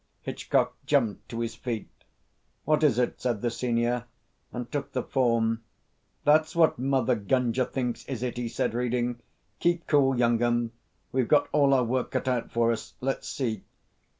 Hitchcock jumped to his feet. "What is it?" said the senior, and took the form. "That's what Mother Gunga thinks, is it," he said, reading. "Keep cool, young 'un. We've got all our work cut out for us. Let's see.